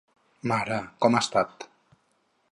Mare, com ha estat?